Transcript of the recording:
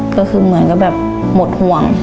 ก็คือเหมือนกับแบบหมดห่วง